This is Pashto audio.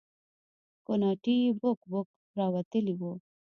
کوناټي يې بوک بوک راوتلي وو.